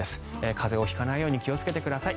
風邪を引かないように気をつけてください。